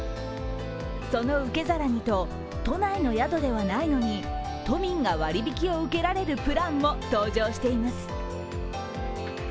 その受け皿にと、都内の宿ではないのに都民が割引きを受けられるプランも登場しています。